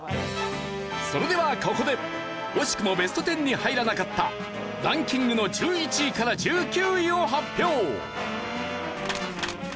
それではここで惜しくもベスト１０に入らなかったランキングの１１位から１９位を発表。